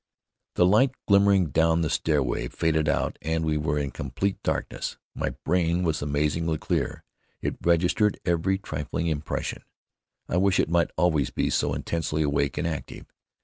The light glimmering down the stairway faded out and we were in complete darkness. My brain was amazingly clear. It registered every trifling impression. I wish it might always be so intensely awake and active.